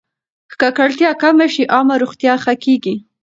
که ککړتیا کمه شي، عامه روغتیا ښه کېږي.